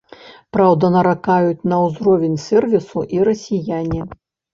Праўда, наракаюць на ўзровень сэрвісу і расіяне.